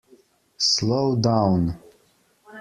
Slow down!